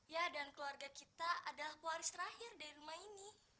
ya dan keluarga kita adalah kuaris terakhir dari rumah ini